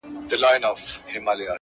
خولې اسمان ته د وړوكو د لويانو٫